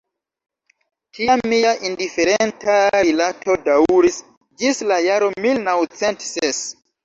Tia mia indiferenta rilato daŭris ĝis la jaro mil naŭcent ses.